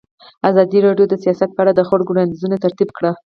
ازادي راډیو د سیاست په اړه د خلکو وړاندیزونه ترتیب کړي.